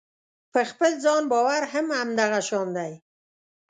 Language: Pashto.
په خپل ځان باور هم همدغه شان دی.